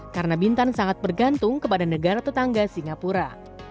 karena bintan sangat bergantung kepada negara tetangga singapura